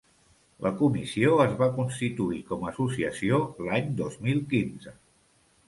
La Comissió es va constituir com associació l'any dos mil quinze.